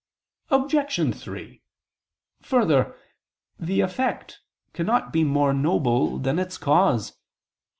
Obj. 3: Further, the effect cannot be more noble than its cause.